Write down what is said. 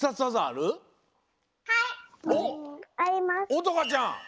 おとかちゃん！